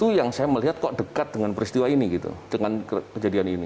hal hal yang saya melihat kok dekat dengan peristiwa ini dengan kejadian ini